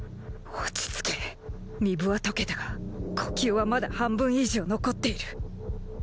落ち着け巫舞は解けたが呼吸はまだ半分以上残っている。